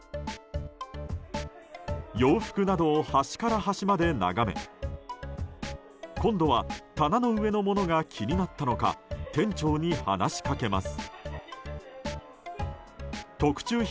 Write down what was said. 洋服などを端から端まで眺め今度は棚の上のものが気になったのか店長に話しかけます。